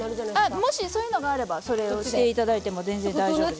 もしそういうのがあればそれをして頂いても全然大丈夫です。